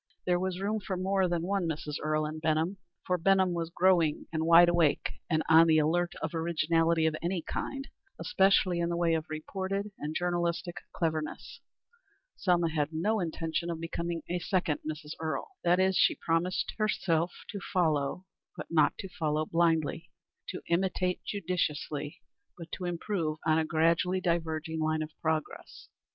There was room for more than one Mrs. Earle in Benham, for Benham was growing and wide awake and on the alert for originality of any kind especially in the way of reportorial and journalistic cleverness. Selma had no intention of becoming a second Mrs. Earle. That is, she promised herself to follow, but not to follow blindly; to imitate judiciously, but to improve on a gradually diverging line of progress.